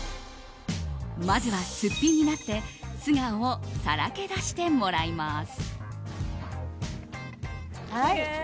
まずは、すっぴんになって素顔をさらけ出してもらいます。